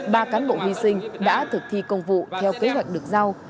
ba cán bộ hy sinh đã thực thi công vụ theo kế hoạch được giao